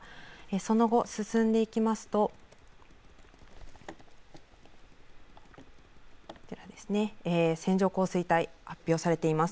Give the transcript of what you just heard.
その後、進んでいきますと線状降水帯、発表されています。